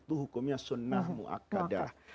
itu hukumnya sunnah mu'akkadah